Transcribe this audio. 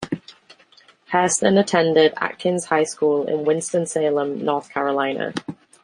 Hairston attended Atkins High School in Winston-Salem, North Carolina.